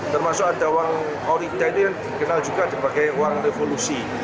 termasuk ada uang origa ini dikenal juga sebagai uang revolusi